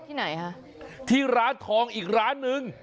ที่ไหนคะที่ร้านทองอีกร้านนึง